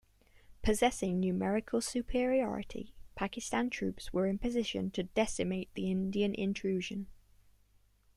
Possessing numerical superiority, Pakistan troops were in position to decimate the Indian intrusion.